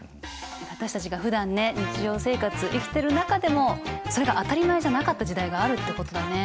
私たちがふだんね日常生活生きてる中でもそれが当たり前じゃなかった時代があるってことだね！